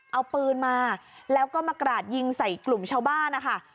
เอาปืนมาแล้วก็มากราดยิงใส่กลุ่มชาวบ้านนะคะ